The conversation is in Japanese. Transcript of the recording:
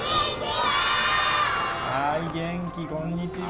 はーい、元気、こんにちは。